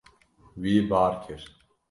Wî bar kir.